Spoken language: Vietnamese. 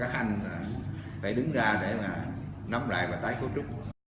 các anh phải đứng ra để mà nắm lại và tái cấu trúc